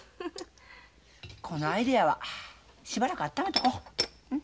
このアイデアはしばらくあっためとこう。